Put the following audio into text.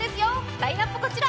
ラインナップはこちら！